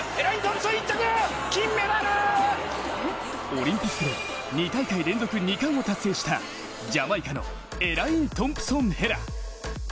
オリンピックで２大会連続２冠を達成したジャマイカのエライン・トンプソン・ヘラ。